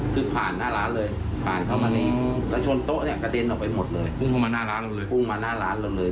พุ่งเข้ามาหน้าร้านลงเลยครับพุ่งเข้ามาหน้าร้านลงเลย